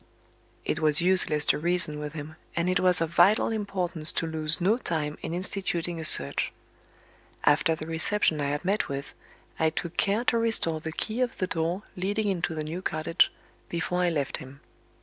It was useless to reason with him, and it was of vital importance to lose no time in instituting a search. After the reception I had met with, I took care to restore the key of the door leading into the new cottage, before I left him.